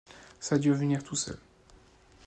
ça a dû venir tout seul.